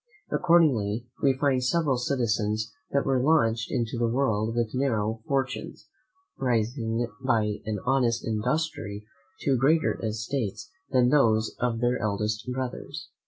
Accordingly, we find several citizens that were launched into the world with narrow fortunes, rising by an honest industry to greater estates than those of their elder brothers.